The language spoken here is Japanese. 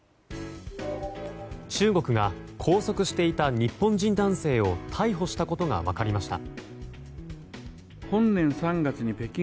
中国が拘束していた日本人男性を逮捕したことが分かりました。